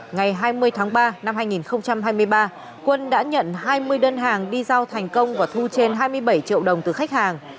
ngày hai mươi tháng ba năm hai nghìn hai mươi ba quân đã nhận hai mươi đơn hàng đi giao thành công và thu trên hai mươi bảy triệu đồng từ khách hàng